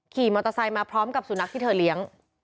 ขี่มอเตอร์ไซค์มาพร้อมกับสุนัขที่เธอเลี้ยง